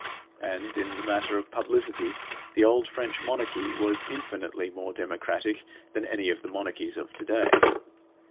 And in the matter of publicity the old French monarchy was infinitely more democratic than any of the monarchies of today.